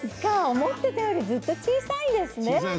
思っていたよりもずっと小さいんですね。